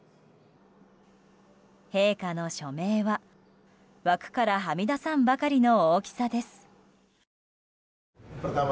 陛下の署名は枠からはみ出さんばかりの大きさです。